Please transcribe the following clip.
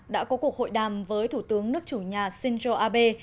đã có cuộc hội đàm với thủ tướng nước chủ nhà shinzo abe